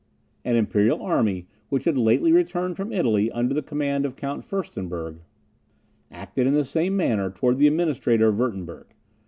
An imperial army, which had lately returned from Italy, under the command of Count Furstenberg, acted in the same manner towards the Administrator of Wirtemberg.